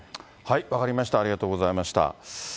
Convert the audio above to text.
分かりました、ありがとうございました。